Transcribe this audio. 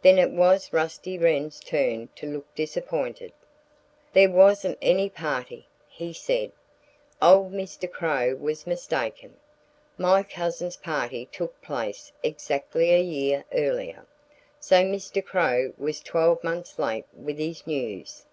Then it was Rusty Wren's turn to look disappointed. "There wasn't any party," he said. "Old Mr. Crow was mistaken. My cousin's party took place exactly a year earlier. So Mr. Crow was twelve months late with his news."